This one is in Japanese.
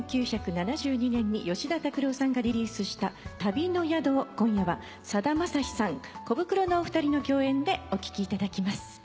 １９７２年に吉田拓郎さんがリリースした『旅の宿』を今夜はさだまさしさんコブクロのお二人の共演でお聴きいただきます。